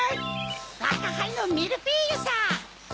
わがはいのミルフィーユさ！